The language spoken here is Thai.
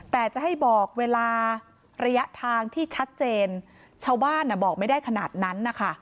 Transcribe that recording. แต่จะให้บอกเวลาระยะทางที่ชัดเจนชาวบ้านบอกไม่ได้ขนาดนั้นนะคะ